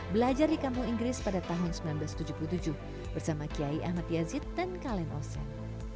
belajar di kampung inggris pada tahun seribu sembilan ratus tujuh puluh tujuh bersama kiai ahmad yazid dan kalen osen